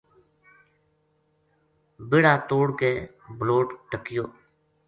بیڑا توڑ کے بَلوٹ ٹَکیو